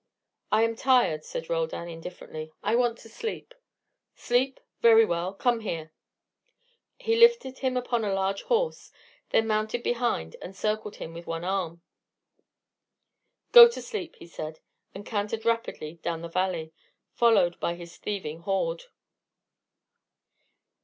"I am tired," said Roldan, indifferently. "I want to sleep." "Sleep? Very well. Come here." He lifted him upon a large horse, then mounted behind and encircled him with one arm. "Go to sleep," he said; and cantered rapidly down the valley, followed by his thieving horde.